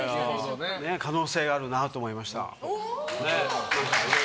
可能性あるなと思いました。